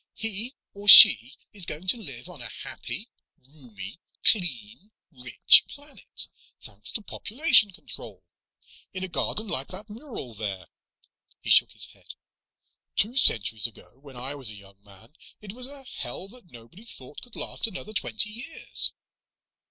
"He or she is going to live on a happy, roomy, clean, rich planet, thanks to population control. In a garden like that mural there." He shook his head. "Two centuries ago, when I was a young man, it was a hell that nobody thought could last another twenty years.